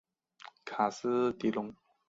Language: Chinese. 卡斯蒂隆。